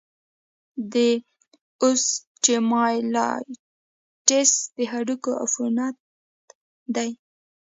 د اوسټیومایلايټس د هډوکو عفونت دی.